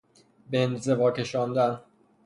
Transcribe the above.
به انزوا کشاندن